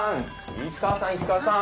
石川さん石川さん！